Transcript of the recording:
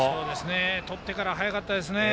とってから速かったですね。